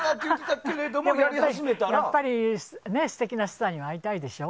やっぱり、素敵なスターには会いたいでしょ？